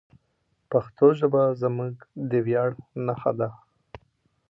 پښتو ژبه زموږ د ویاړ نښه ده.